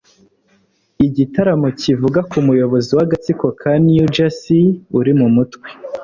igitaramo kivuga ku muyobozi w'agatsiko ka new jersey uri mu mutwe